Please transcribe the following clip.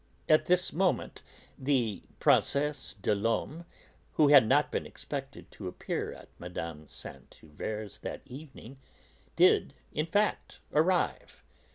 At this moment the Princesse des Laumes, who had not been expected to appear at Mme. de Saint Euverte's that evening, did in fact arrive.